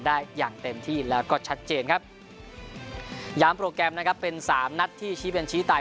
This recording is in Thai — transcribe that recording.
อย่างเต็มที่แล้วก็ชัดเจนครับย้ำโปรแกรมนะครับเป็นสามนัดที่ชี้เป็นชี้ตาย